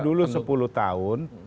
dulu sepuluh tahun